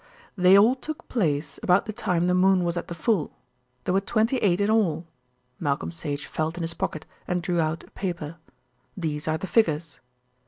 "They all took place about the time the moon was at the full. There were twenty eight in all." Malcolm Sage felt in his pocket and drew out a paper. "These are the figures."